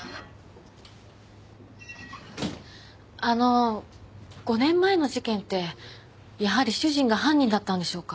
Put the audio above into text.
あの５年前の事件ってやはり主人が犯人だったんでしょうか？